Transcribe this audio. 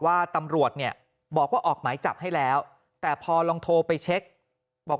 ว่าตำรวจเนี่ยบอกว่าออกหมายจับให้แล้วแต่พอลองโทรไปเช็คบอก